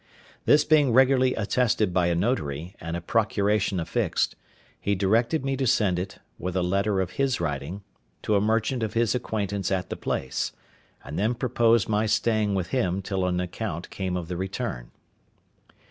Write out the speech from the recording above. This being regularly attested by a notary, and a procuration affixed, he directed me to send it, with a letter of his writing, to a merchant of his acquaintance at the place; and then proposed my staying with him till an account came of the return.